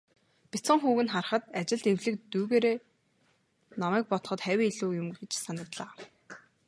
Бяцхан хүүг нь харахад, ажилд эвлэг дүйгээрээ намайг бодоход хавь илүү юм гэж санагдлаа.